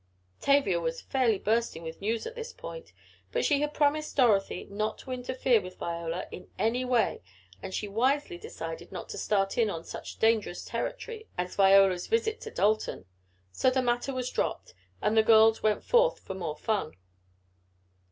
Tavia was fairly bursting with news at this point, but she had promised Dorothy not to interfere with Viola in any way and she wisely decided not to start in on such dangerous territory as Viola's visit to Dalton. So the matter was dropped, and the girls went forth for more fun.